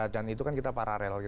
dan itu kan kita paralel